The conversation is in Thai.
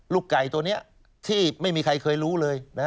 ไก่ตัวนี้ที่ไม่มีใครเคยรู้เลย